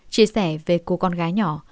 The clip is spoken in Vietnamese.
chia sẻ về cô con gái nhỏ